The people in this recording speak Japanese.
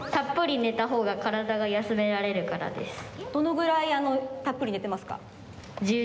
どのぐらいたっぷり寝てますか？